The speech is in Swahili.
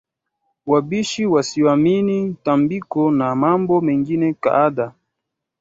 wabishi wasioamini tambiko na mambo mengine kadhaa